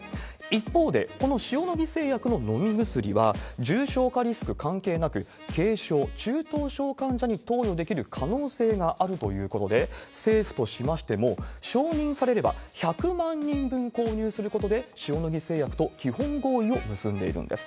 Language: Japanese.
一方で、この塩野義製薬の飲み薬は、重症化リスク関係なく、軽症、中等症患者に投与できる可能性があるということで、政府としましても、承認されれば、１００万人分購入することで、塩野義製薬と基本合意を結んでいるんです。